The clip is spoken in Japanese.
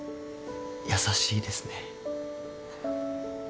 優しいですね。